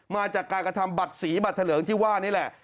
มาจากการกระทำบัตรสีบัตรเถลิงที่ว่านี่แหละ